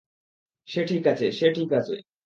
সে ঠিক আছে, সে ঠিক আছে।